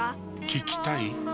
聞きたい？